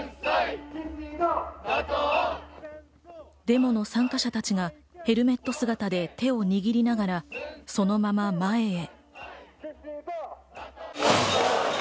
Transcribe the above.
デモの参加者たちがヘルメット姿で手を握りながら、そのまま前へ。